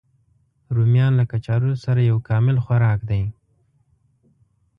رومیان له کچالو سره یو کامل خوراک دی